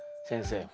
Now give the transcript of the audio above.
先生。